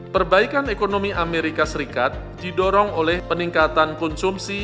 perbaikan ekonomi amerika serikat didorong oleh peningkatan konsumsi